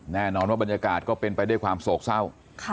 แน่นอนว่าบรรยากาศก็เป็นไปด้วยความโศกเศร้า